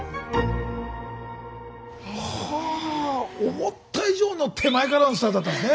はあ思った以上の手前からのスタートだったんですね。